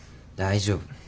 大丈夫。